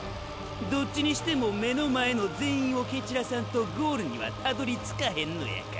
どっちにしても目の前の全員を蹴散らさんとゴールにはたどりつかへんのやから。